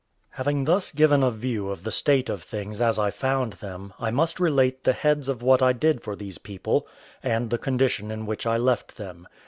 Having thus given a view of the state of things as I found them, I must relate the heads of what I did for these people, and the condition in which I left them.